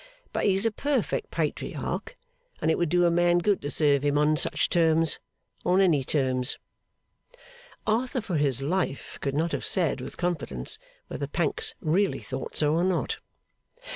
But he's a perfect Patriarch; and it would do a man good to serve him on such terms on any terms.' Arthur for his life could not have said with confidence whether Pancks really thought so or not.